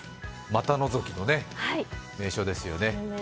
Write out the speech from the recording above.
股のぞきの名勝ですよね。